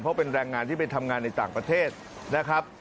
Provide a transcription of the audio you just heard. เพราะเป็นแรงงานที่ไปทำงานในต่างประเทศนะครับ